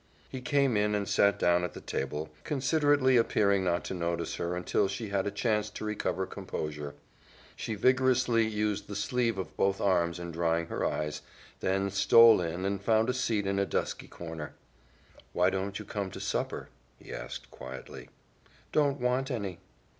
He came in and sat down at the table, considerately appearing not to notice her until she had a chance to recover composure. She vigorously used the sleeve of both arms in drying her eyes, then stole in and found a seat in a dusky corner. "Why don't you come to supper?" he asked quietly. "Don't want any."